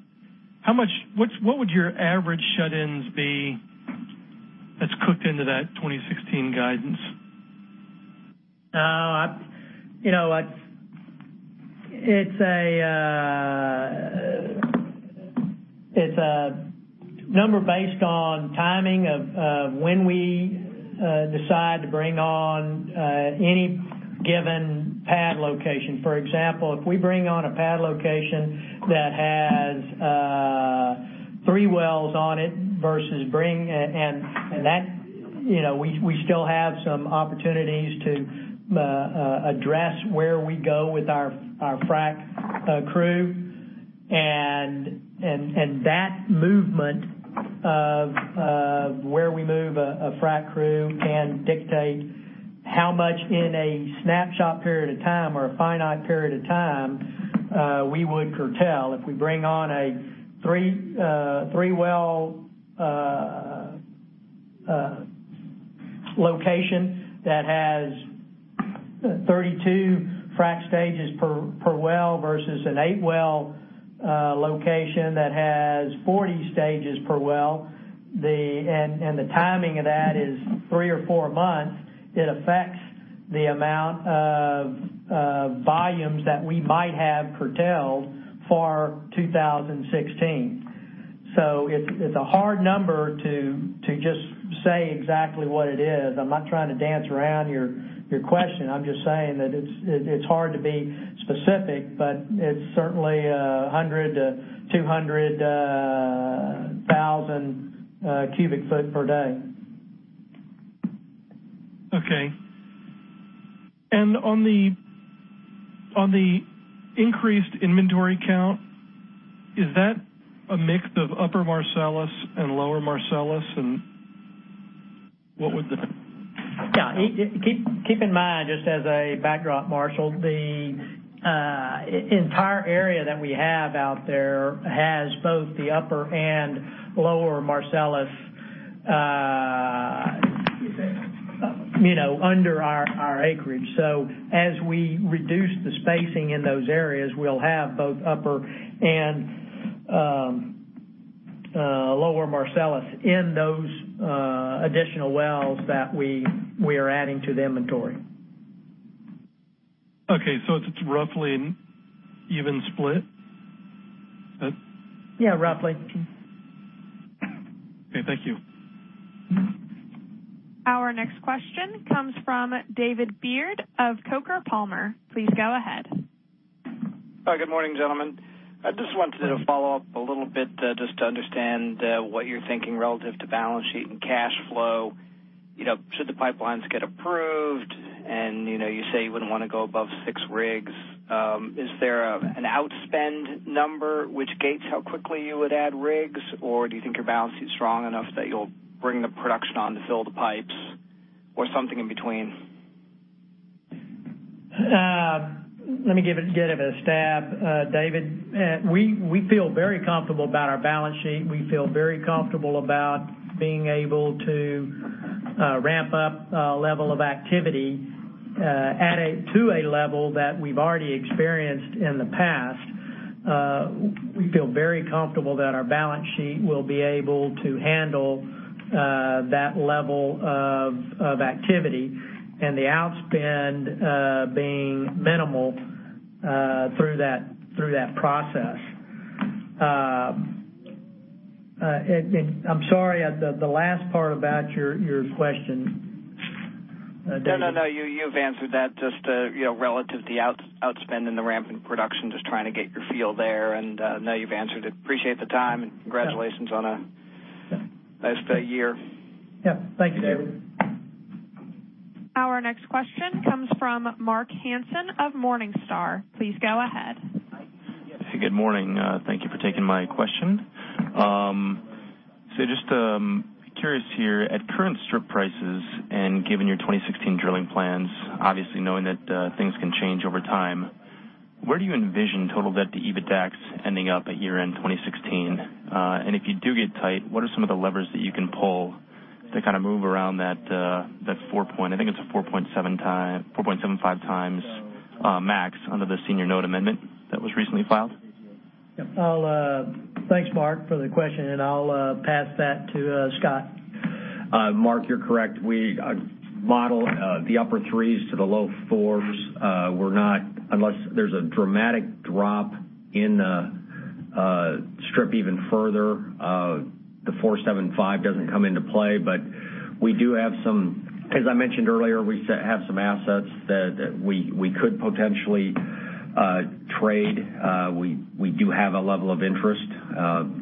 What would your average shut-ins be that's cooked into that 2016 guidance? It's a number based on timing of when we decide to bring on any given pad location. For example, if we bring on a pad location that has three wells on it. We still have some opportunities to address where we go with our frack crew, and that movement of where we move a frack crew can dictate how much in a snapshot period of time or a finite period of time we would curtail. If we bring on a three-well location that has 32 frack stages per well versus an eight-well location that has 40 stages per well, and the timing of that is three or four months, it affects the amount of volumes that we might have curtailed for 2016. It's a hard number to just say exactly what it is. I'm not trying to dance around your question. I'm just saying that it's hard to be specific, but it's certainly 100,000-200,000 Mcf per day. Okay. On the increased inventory count, is that a mix of Upper Marcellus and Lower Marcellus, and what would the? Yeah. Keep in mind, just as a backdrop, Marshall, the entire area that we have out there has both the Upper and Lower Marcellus under our acreage. As we reduce the spacing in those areas, we'll have both Upper and Lower Marcellus in those additional wells that we are adding to the inventory. Okay, it's roughly an even split? Is that? Yeah, roughly. Okay. Thank you. Our next question comes from David Beard of Coker & Palmer. Please go ahead. Hi. Good morning, gentlemen. I just wanted to follow up a little bit just to understand what you're thinking relative to balance sheet and cash flow should the pipelines get approved, you say you wouldn't want to go above six rigs. Is there an outspend number which gates how quickly you would add rigs, or do you think your balance sheet's strong enough that you'll bring the production on to fill the pipes? Or something in between? Let me give it a stab, David. We feel very comfortable about our balance sheet. We feel very comfortable about being able to ramp up level of activity to a level that we've already experienced in the past. We feel very comfortable that our balance sheet will be able to handle that level of activity, and the outspend being minimal through that process. I'm sorry, the last part about your question, David. No, you've answered that. Just relative to the outspend and the ramp in production, just trying to get your feel there, and now you've answered it. Appreciate the time, and congratulations on a nice year. Yeah. Thank you, David. Our next question comes from Mark Hanson of Morningstar. Please go ahead. Good morning. Thank you for taking my question. Just curious here, at current strip prices and given your 2016 drilling plans, obviously knowing that things can change over time, where do you envision total debt to EBITDAX ending up at year-end 2016? If you do get tight, what are some of the levers that you can pull to move around that, I think it's a 4.75 times max under the senior note amendment that was recently filed? Thanks, Mark, for the question. I'll pass that to Scott. Mark, you're correct. We model the upper threes to the low fours. Unless there's a dramatic drop in the strip even further, the 4.75 doesn't come into play. As I mentioned earlier, we have some assets that we could potentially trade. We do have a level of interest.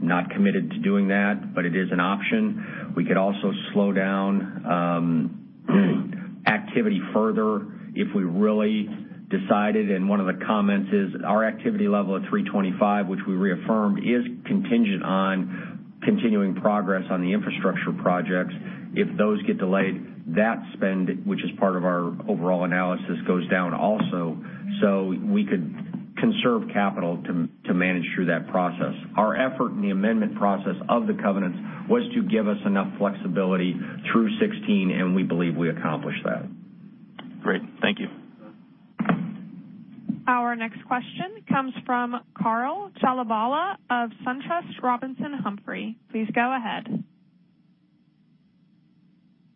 Not committed to doing that. It is an option. We could also slow down activity further if we really decided. One of the comments is our activity level at 325, which we reaffirmed, is contingent on continuing progress on the infrastructure projects. If those get delayed, that spend, which is part of our overall analysis, goes down also. We could conserve capital to manage through that process. Our effort in the amendment process of the covenants was to give us enough flexibility through 2016. We believe we accomplished that. Great. Thank you. Our next question comes from Charles Malpass of SunTrust Robinson Humphrey. Please go ahead.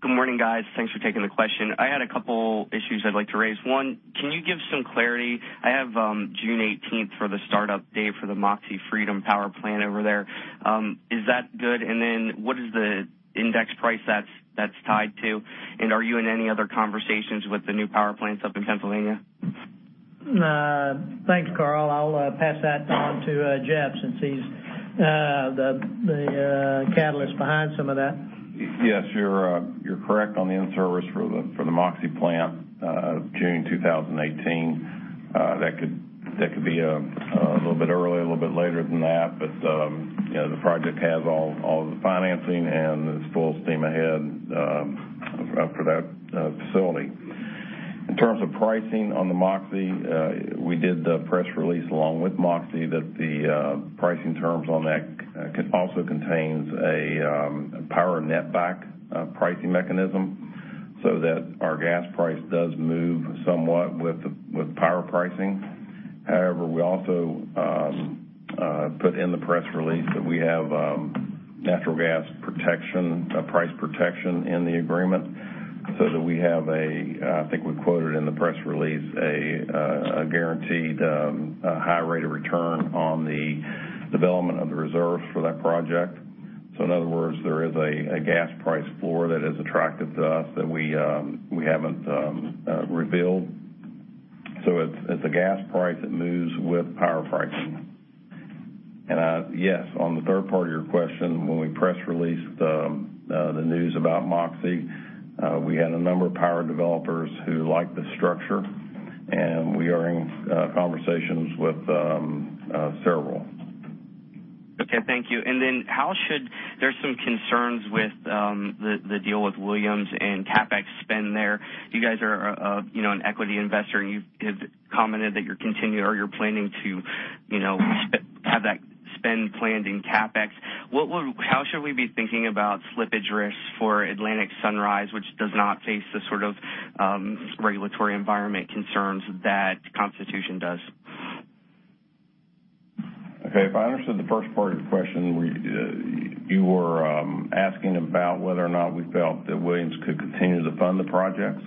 Good morning, guys. Thanks for taking the question. I had a couple issues I'd like to raise. One, can you give some clarity? I have June 18th for the startup date for the Moxie Freedom Generation Plant over there. Is that good? What is the index price that's tied to? Are you in any other conversations with the new power plants up in Pennsylvania? Thanks, Charles. I'll pass that on to Jeff since he's the catalyst behind some of that. Yes, you're correct on the in-service for the Moxie plant of June 2018. That could be a little bit early, a little bit later than that. The project has all the financing, and it's full steam ahead for that facility. In terms of pricing on the Moxie, we did the press release along with Moxie that the pricing terms on that also contains a power net-back pricing mechanism so that our gas price does move somewhat with power pricing. However, we also put in the press release that we have natural gas price protection in the agreement so that we have a, I think we quoted in the press release, a guaranteed high rate of return on the development of the reserves for that project. In other words, there is a gas price floor that is attractive to us that we haven't revealed. It's a gas price that moves with power pricing. Yes, on the third part of your question, when we press released the news about Moxie, we had a number of power developers who liked the structure, and we are in conversations with several. Okay, thank you. There's some concerns with the deal with Williams and CapEx spend there. You guys are an equity investor, and you've commented that you're planning to have that spend planned in CapEx. How should we be thinking about slippage risks for Atlantic Sunrise, which does not face the sort of regulatory environment concerns that Constitution does? Okay. If I understood the first part of your question, you were asking about whether or not we felt that Williams could continue to fund the projects?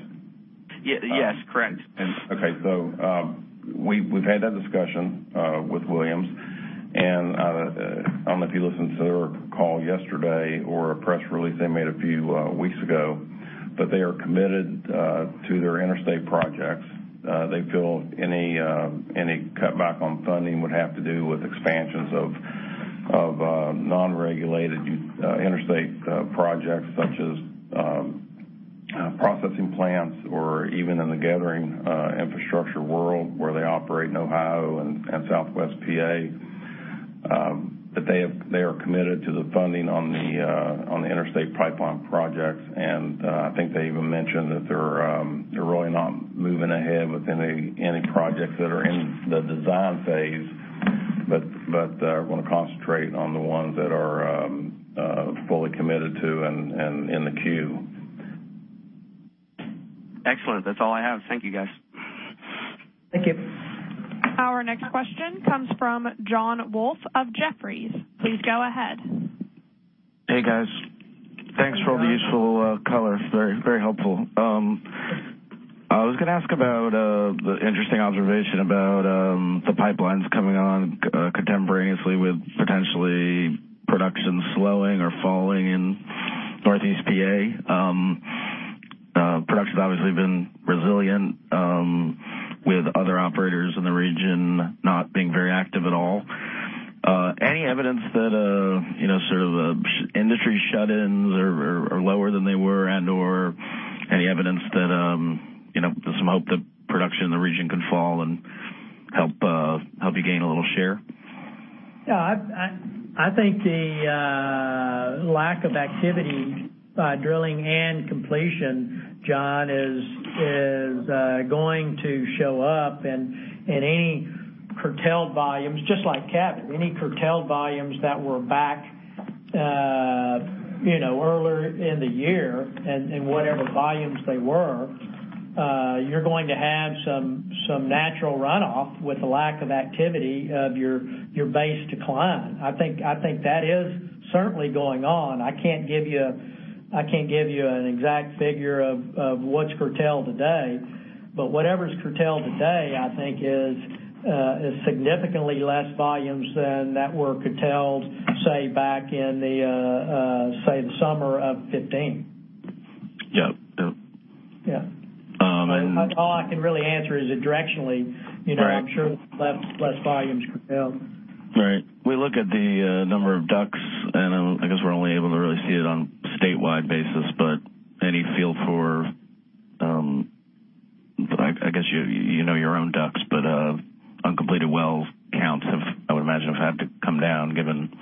Yes, correct. We've had that discussion with Williams, and I don't know if you listened to their call yesterday or a press release they made a few weeks ago, but they are committed to their interstate projects. They feel any cutback on funding would have to do with expansions of non-regulated interstate projects such as processing plants or even in the gathering infrastructure world where they operate in Ohio and Southwest P.A. They are committed to the funding on the interstate pipeline projects. I think they even mentioned that they're really not moving ahead with any projects that are in the design phase, but want to concentrate on the ones that are fully committed to and in the queue. Excellent. That's all I have. Thank you, guys. Thank you. Our next question comes from John Wolff of Jefferies. Please go ahead. Hey, guys. Thanks for all the useful color. Very helpful. I was going to ask about the interesting observation about the pipelines coming on contemporaneously with potentially production slowing or falling in Northeast PA. Production's obviously been resilient with other operators in the region not being very active at all. Any evidence that industry shut-ins are lower than they were, and/or any evidence that there's some hope that production in the region could fall and help you gain a little share? Yeah. I think the lack of activity by drilling and completion, John, is going to show up. Any curtailed volumes, just like Cabot, any curtailed volumes that were back earlier in the year and whatever volumes they were, you're going to have some natural runoff with the lack of activity of your base decline. I think that is certainly going on. I can't give you an exact figure of what's curtailed today, but whatever's curtailed today, I think is significantly less volumes than that were curtailed, say, back in the summer of 2015. Yep. Yeah. All I can really answer is it directionally. Right I'm sure less volumes curtailed. Right. We look at the number of DUCs, and I guess we're only able to really see it on statewide basis, but any feel for, I guess you know your own DUCs, but uncompleted wells counts, I would imagine, have had to come down given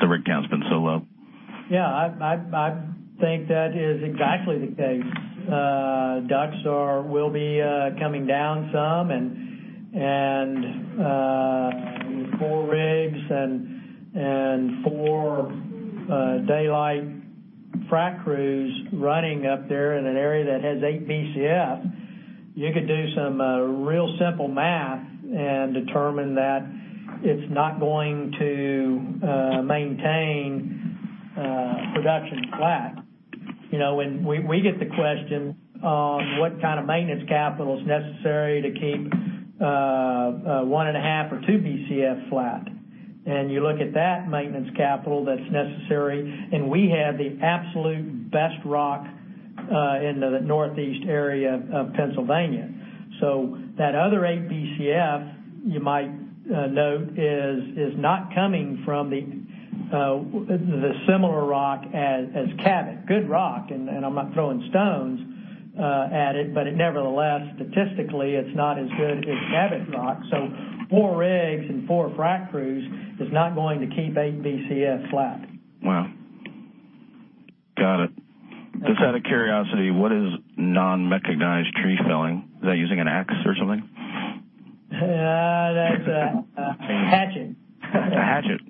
the rig count's been so low. Yeah. I think that is exactly the case. DUCs will be coming down some, and four rigs and four daylight frac crews running up there in an area that has eight Bcf, you could do some real simple math and determine that it's not going to maintain production flat. When we get the question on what kind of maintenance capital's necessary to keep one and a half or two Bcf flat, and you look at that maintenance capital that's necessary, and we have the absolute best rock in the Northeast area of Pennsylvania. That other eight Bcf, you might note, is not coming from the similar rock as Cabot. Good rock, and I'm not throwing stones at it, but it nevertheless, statistically, it's not as good as Cabot rock. Four rigs and four frac crews is not going to keep eight Bcf flat. Wow. Got it. Just out of curiosity, what is non-mechanized tree felling? Is that using an ax or something? That's a hatchet. A hatchet.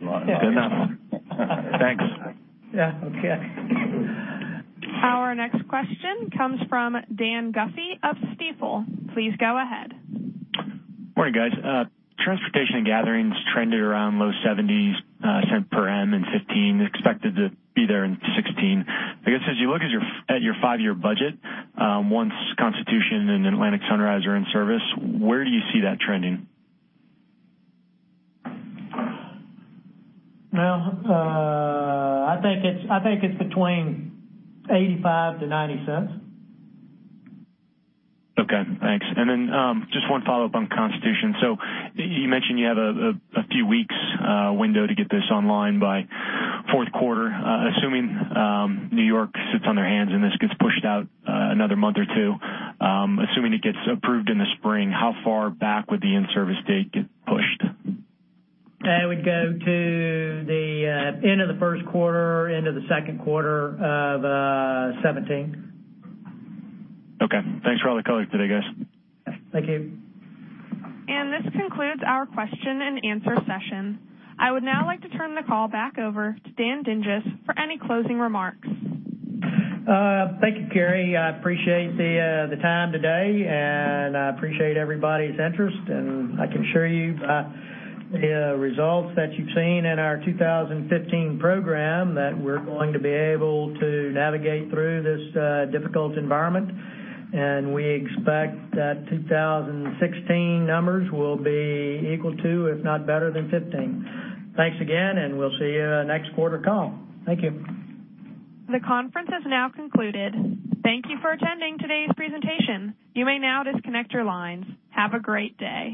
Good enough. Thanks. Yeah. Okay. Our next question comes from Daniel Guffey of Stifel. Please go ahead. Morning, guys. Transportation and gatherings trended around low $0.70 per MCF in 2015. Expected to be there in 2016. I guess, as you look at your five-year budget, once Constitution and Atlantic Sunrise are in service, where do you see that trending? Well, I think it's between $0.85 to $0.90. Okay, thanks. Just one follow-up on Constitution Pipeline. You mentioned you have a few weeks window to get this online by fourth quarter. Assuming New York sits on their hands and this gets pushed out another month or two, assuming it gets approved in the spring, how far back would the in-service date get pushed? It would go to the end of the first quarter into the second quarter of 2017. Okay. Thanks for all the color today, guys. Thank you. This concludes our question and answer session. I would now like to turn the call back over to Dan Dinges for any closing remarks. Thank you, Carrie. I appreciate the time today, I appreciate everybody's interest, and I can assure you by the results that you've seen in our 2015 program that we're going to be able to navigate through this difficult environment. We expect that 2016 numbers will be equal to, if not better than 2015. Thanks again, and we'll see you next quarter call. Thank you. The conference has now concluded. Thank you for attending today's presentation. You may now disconnect your lines. Have a great day.